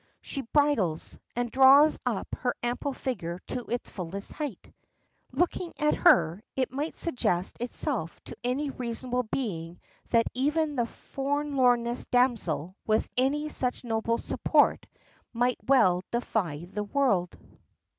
She bridles, and draws up her ample figure to its fullest height. Indeed, looking at her, it might suggest itself to any reasonable being that even the forlornest damsel with any such noble support might well defy the world.